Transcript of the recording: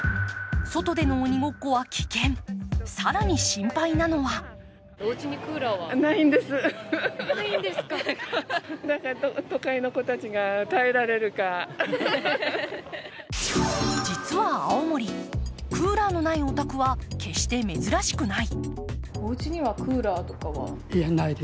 外での鬼ごっこは危険、更に心配なのは実は青森、クーラーのないお宅は決して珍しくない。